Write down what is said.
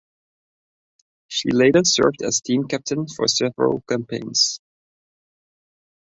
She later served as team captain for several campaigns.